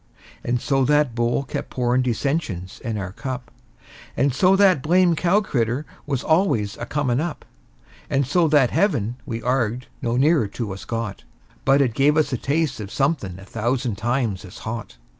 And so that bowl kept pourin' dissensions in our cup; And so that blamed cow critter was always a comin' up; And so that heaven we arg'ed no nearer to us got, But it gave us a taste of somethin' a thousand times as hot.